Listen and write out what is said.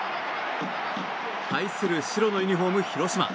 対する白のユニホーム、広島。